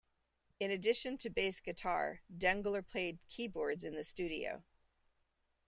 In addition to bass guitar, Dengler played keyboards in the studio.